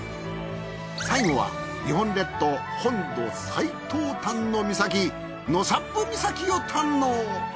最後は日本列島本土最東端の岬納沙布岬を堪能